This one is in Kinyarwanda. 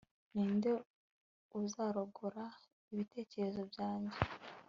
ni nde uzagorora ibitekerezo byanjye